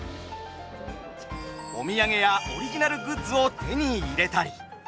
お土産やオリジナルグッズを手に入れたり。